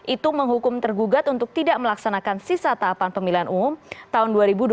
itu menghukum tergugat untuk tidak melaksanakan sisa tahapan pemilihan umum tahun dua ribu dua puluh